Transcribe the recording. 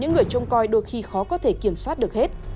những người trông coi đôi khi khó có thể kiểm soát được hết